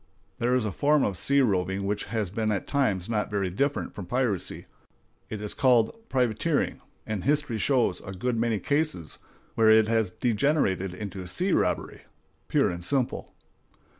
There is a form of sea roving which has been at times not very different from piracy; it is called privateering, and history shows a good many cases where it has degenerated into sea robbery pure and simple.